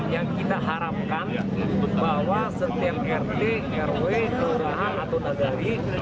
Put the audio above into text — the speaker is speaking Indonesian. yang kita harapkan bahwa setiap rt rw kelurahan atau tadari